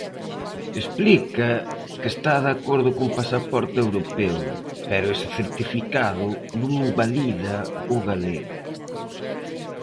Explica que está de acordo cun pasaporte europeo, pero ese certificado non invalida o galego.